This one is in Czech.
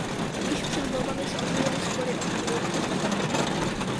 Již před volbami se objevily spory ohledně jejich příprav.